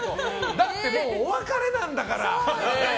だってもうお別れなんだから。